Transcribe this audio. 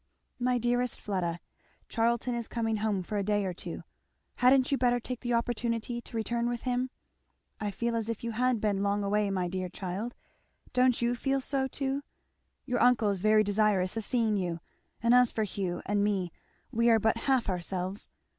"My Dearest Fleda, Charlton is coming home for a day or two hadn't you better take the opportunity to return with him? I feel as if you had been long away, my dear child don't you feel so too? Your uncle is very desirous of seeing you; and as for Hugh and me we are but half ourselves.